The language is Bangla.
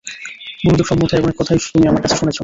গুরুদেব সম্বন্ধে অনেক কথাই তুমি আমার কাছে শুনেছ।